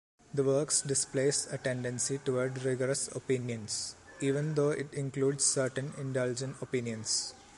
The works displays a tendency toward rigorous opinions, even though it includes certain indulgent opinions.